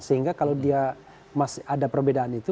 sehingga kalau dia masih ada perbedaan itu